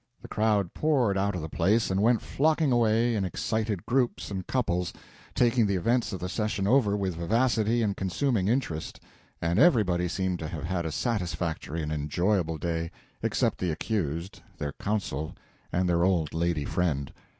The crowd poured out of the place and went flocking away in excited groups and couples, talking the events of the session over with vivacity and consuming interest, and everybody seemed to have had a satisfactory and enjoyable day except the accused, their counsel, and their old lady friend.